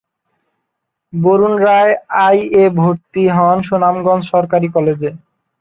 Varun Roy I A ভর্তি হন সুনামগঞ্জ সরকারি কলেজে।